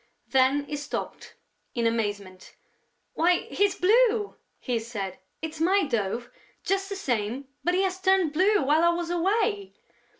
Then he stopped, in amazement: "Why, he's blue!" he said. "It's my dove, just the same, but he has turned blue while I was away!"